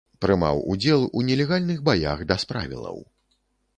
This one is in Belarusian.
Прымаў удзел у нелегальных баях без правілаў.